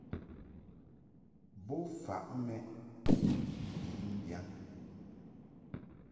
Bo faʼ mɛʼ mbi mbiyaŋ.